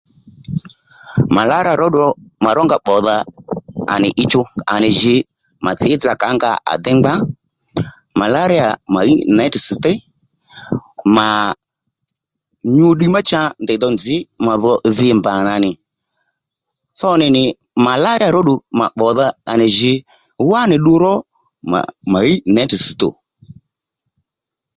Malarya ró ddù mà rónga bbòdha à nì ǐchú à nì jǐ mà thǐ dza kǎnga à déy ngbá malariya mà ɦíy netì ss̀ téy mà nyu ddiy má cha ndèy dho nzž mà dho dhi mbà nǎnì tho nì nì malariya ró ddù mà bbòdha à nì jǐ wá nì ddu ró mà híy nětì ss̀ tò